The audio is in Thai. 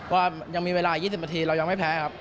ว่ายังมีเวลา๒๐นาทีเรายังไม่แพ้ครับ